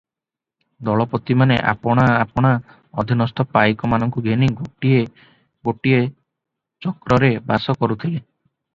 ଦଳପତିମାନେ ଆପଣା ଆପଣା ଅଧିନସ୍ଥ ପାଇକମାନଙ୍କୁ ଘେନି ଗୋଟିଏ ଗୋଟିଏ ଚକ୍ରରେ ବାସ କରୁଥିଲେ ।